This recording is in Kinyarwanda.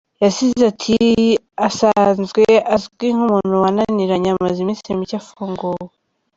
Yagize ati “Asanzwe azwi nk’umuntu wanananiranye, amaze iminsi mike afunguwe.